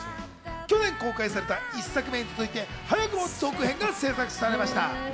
去年公開された１作目に続いて早くも続編が制作されました。